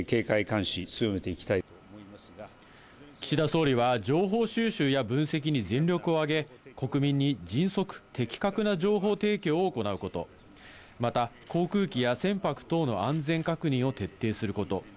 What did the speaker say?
岸田総理は情報収集や分析に全力を挙げ、国民に迅速的確な情報提供を行うこと、また航空機や船舶等の安全確認を徹底すること。